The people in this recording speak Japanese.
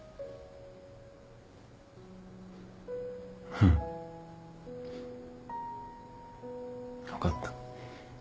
うん分かった。